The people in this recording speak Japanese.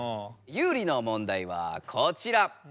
ユウリの問題はこちら。